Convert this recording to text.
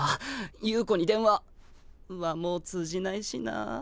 優子に電話！はもう通じないしなぁ。